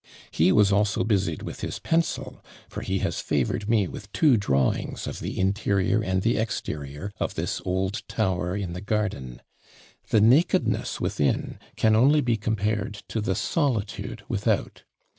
He was also busied with his pencil; for he has favoured me with two drawings of the interior and the exterior of this old tower in the garden: the nakedness within can only be compared to the solitude without.